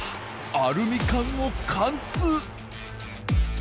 アルミ缶を貫通。